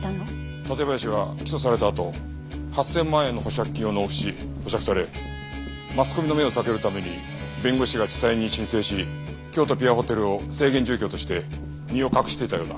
館林は起訴されたあと８０００万円の保釈金を納付し保釈されマスコミの目を避けるために弁護士が地裁に申請しキョウトピアホテルを制限住居として身を隠していたようだ。